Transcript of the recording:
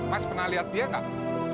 mas pernah lihat dia nggak